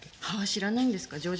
はあ知らないんですか。